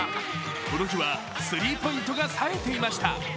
この日はスリーポイントが冴えていました。